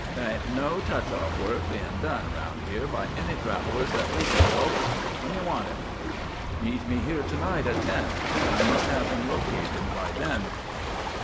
There ain't no touch off work bein' done around here by any travellers that we can help. When do you want him?" "Meet me here to night at ten. I must have him located by then."